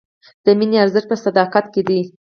د مینې ارزښت په صداقت کې دی.